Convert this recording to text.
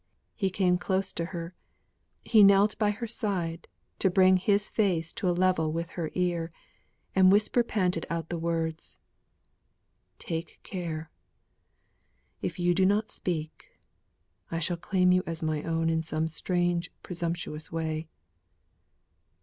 He came close to her. He knelt by her side, to bring his face to a level with her ear; and whispered panted out the words: "Take care. If you do not speak I shall claim you as my own in some strange presumptuous way.